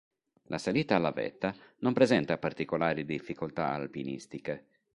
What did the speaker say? La salita alla vetta non presenta particolari difficoltà alpinistiche.